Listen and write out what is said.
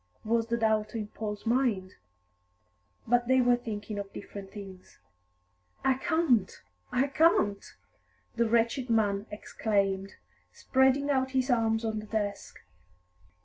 was the doubt in Paul's mind. But they were thinking of different things. "I can't, I can't!" the wretched man exclaimed, spreading out his arms on the desk.